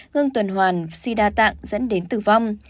ngưng tuần hoàn suy đa tạng dẫn đến tử vong